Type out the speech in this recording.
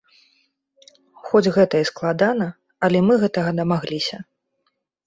Хоць гэта і складана, але мы гэтага дамагліся.